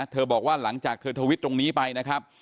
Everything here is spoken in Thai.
บอกว่าหลังจากเธอทวิตตรงนี้ไปนะครับ